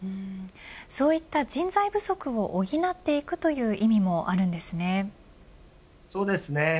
そういった人材不足を補っていくという意味もあるんですね。